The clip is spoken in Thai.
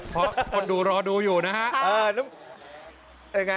เพราะคนดูรอดูอยู่นะฮะ